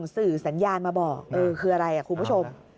สื่อสัญญาณมาบอกเออคืออะไรคุณผู้ชม